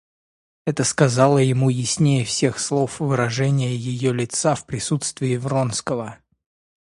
Это сказало ему яснее всех слов выражение ее лица в присутствии Вронского.